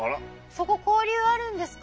そこ交流あるんですか。